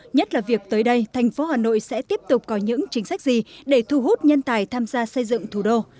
nhất là việc tới đây thành phố hà nội sẽ tiếp tục có những chính sách gì để thu hút nhân tài tham gia xây dựng thủ đô